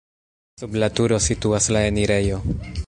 Sub la turo situas la enirejo.